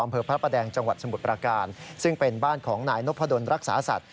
พระประแดงจังหวัดสมุทรประการซึ่งเป็นบ้านของนายนพดลรักษาสัตว